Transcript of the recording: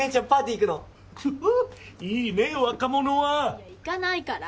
いや行かないから！